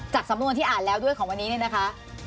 สำนวนที่อ่านแล้วด้วยของวันนี้เนี่ยนะคะ